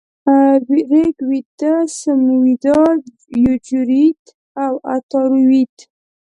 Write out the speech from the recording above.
ریګ وید، سمویدا، یجوروید او اتارو وید -